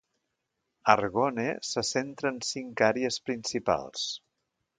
Argonne se centra en cinc àrees principals.